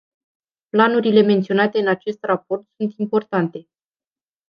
Planurile menționate în acest raport sunt importante.